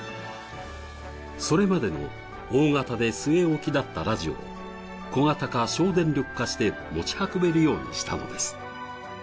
それまでの大型で据え置きだったラジオを小型化・省電力化して持ち運べるようにしたのです。